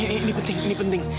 ini ini ini penting ini penting